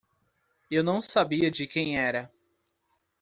Eu não sabia de quem era.